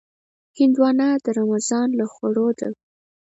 هندوانه د رمضان له خوړو ده.